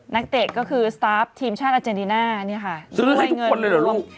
นักเตะก็คือทีมช่างเออเจนตีน่ะนี่ค่ะซื้อให้ทุกคนด้วยหรอลูก